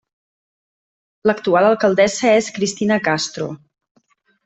L'actual alcaldessa és Cristina Castro.